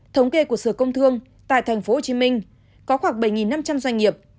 thống kê của sở công thương tại tp hcm có khoảng bảy năm trăm linh doanh nghiệp